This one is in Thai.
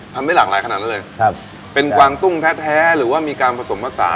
ทำได้หลากหลายขนาดนั้นเลยครับเป็นกวางตุ้งแท้แท้หรือว่ามีการผสมผสา